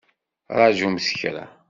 Ṛajumt kra!